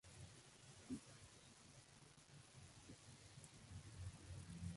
Estuvo muy influido por el trabajo de Paul Gauguin y Henri Matisse.